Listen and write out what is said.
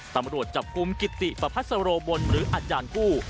ตำรวจจับกลุ่มกิติประพัสโรบลหรืออาจารย์กู้